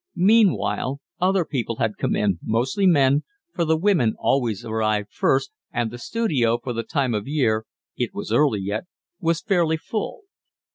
Meanwhile other people had come in, mostly men, for the women always arrived first, and the studio for the time of year (it was early yet) was fairly full.